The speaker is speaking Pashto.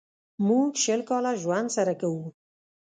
موږ شل کاله ژوند سره کوو.